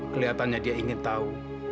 kelihatannya dia ingin tahu